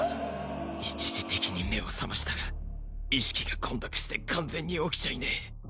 一時的に目を覚ましたが意識が混濁して完全に起きちゃいねェ。